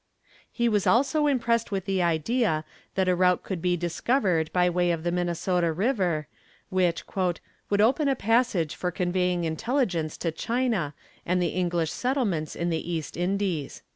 He was also impressed with the idea that a route could be discovered by way of the Minnesota river, which "would open a passage for conveying intelligence to China and the English settlements in the East Indies."